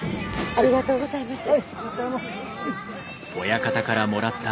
ありがとうございます。